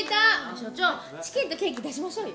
所長チキンとケーキ出しましょうよ。